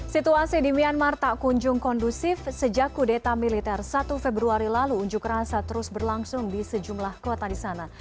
situasi di myanmar tak kunjung kondusif sejak kudeta militer satu februari lalu unjuk rasa terus berlangsung di sejumlah kota di sana